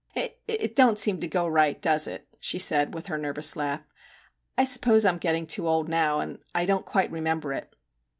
'It don't seem to go right, does it?' she said, with her nervous laugh. ' I suppose I 'm getting too old now, and I don't quite re member it.'